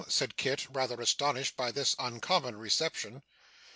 said Kit, rather astonished by this uncommon reception.